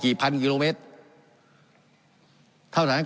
การปรับปรุงทางพื้นฐานสนามบิน